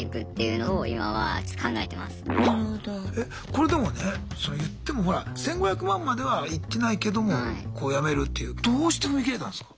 これでもね言ってもほら１５００万まではいってないけども辞めるっていうどうして踏み切れたんすか？